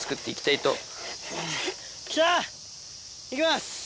いきます。